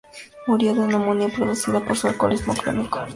Murió de neumonía, producida por su alcoholismo crónico.